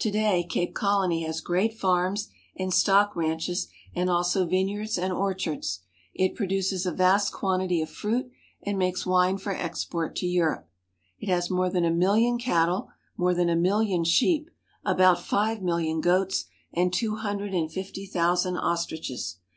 To day Cape Colony has great farms and stock ranches, and also vineyards and orchards. It produces a vast quantity of fruit and makes wine for export to Europe. It has more than a million cattle, more than a million sheep, about five million goats, and two hundred and fifty thousand ostriches.